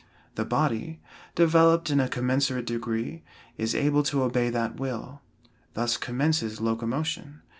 The body, developed in a commensurate degree, is able to obey that will. Thus commences locomotion.